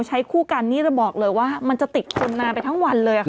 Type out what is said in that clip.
ใช้คู่กันนี่จะบอกเลยว่ามันจะติดคนนานไปทั้งวันเลย